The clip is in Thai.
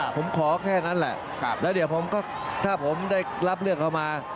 ผมขอแค่นั้นแหละแล้วเดี๋ยวผมก็ถ้าผมได้รับเลือกเข้ามา